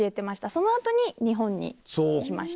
その後に日本に来ました。